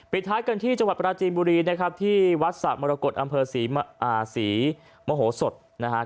ท้ายกันที่จังหวัดปราจีนบุรีนะครับที่วัดสะมรกฏอำเภอศรีมโหสดนะครับ